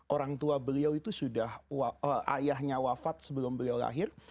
orang tua beliau itu sudah ayahnya wafat sebelum beliau lahir